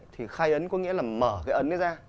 thì khai ấn có nghĩa là mở cái ấn đấy ra